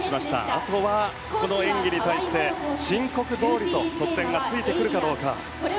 あとは、この演技に対して申告どおりと得点がついてくるかどうか。